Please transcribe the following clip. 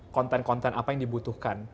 konten konten apa yang dibutuhkan